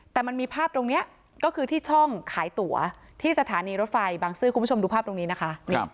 แต่มันมีภาพตรงนี้ก็คือที่ช่องขายตั๋วที่สถานีรถไฟบางซื่อคุณผู้ชมดูภาพตรงนี้นะคะ